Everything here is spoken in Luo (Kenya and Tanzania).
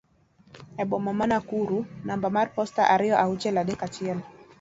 e boma ma Nakuru namba mar posta ariyo auchiel adek achiel